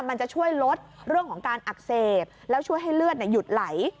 มันจะช่วยลดเรื่องของการอักเสบแล้วช่วยให้เลือดหยุดไหล